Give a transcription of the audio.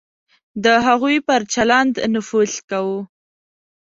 د هغوی پر چلند نفوذ کوو.